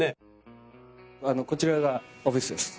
こちらがオフィスです。